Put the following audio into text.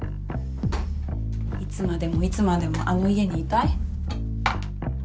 いつまでもいつまでもあの家にいたい？